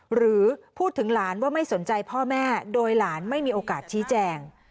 หรือพูดถึงหลานว่าไม่สนใจพ่อแม่โดยหลานไม่มีโอกาสชี้แจง